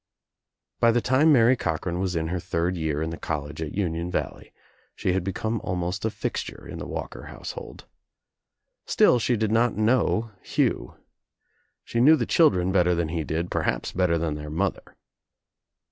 By the time Mary Cochran was in her third year in the college at Union Valley she had become almost a fixture in the Walker household. Still she did not know Hugh. She knew the children better than he did, perhaps better than their mother.